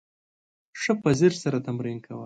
ښه په ځیر سره تمرین کوه !